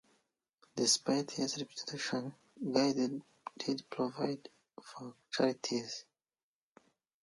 Despite his reputation, Guy did provide for charities.